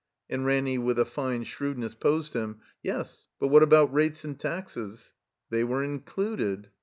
And Ranny with a fine shrewdness posed him. "Yes, but what about rates and taxes?" They were included.